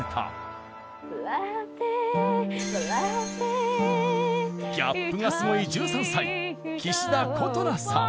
「笑って笑って」ギャップがすごい１３歳岸田琴那さん。